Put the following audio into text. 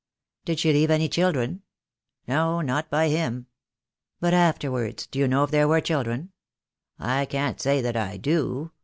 "Did she leave any children?" "No, not by him." "But afterwards — do you know if there were children?" "I can't say that I do.